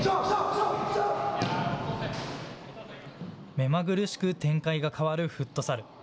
目まぐるしく展開が変わるフットサル。